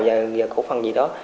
và cổ phần gì đó